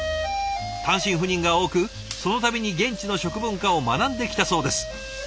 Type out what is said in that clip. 単身赴任が多くその度に現地の食文化を学んできたそうです。